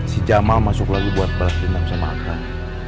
si jamal masuk lagi buat balas dendam sama akan